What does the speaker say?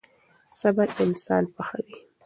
صبر انسان پخوي.